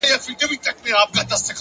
مثبت ذهن د ستونزو تر شا حل ویني!